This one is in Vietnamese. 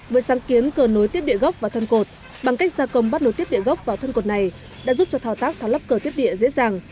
với sáng kiến cờ nối tiếp địa gốc vào thân cột bằng cách gia công bắt nối tiếp địa gốc vào thân cột này đã giúp cho thao tác tháo lắp cờ tiếp địa dễ dàng